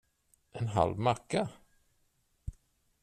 En halv macka?